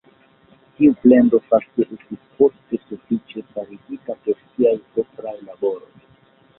Tiu plendo fakte estis poste sufiĉe forigita per siaj propraj laboroj.